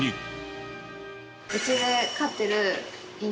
うちで飼ってる犬